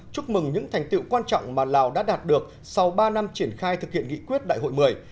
chúc mừng những thành tiệu quan trọng mà lào đã đạt được sau ba năm triển khai thực hiện nghị quyết đại hội một mươi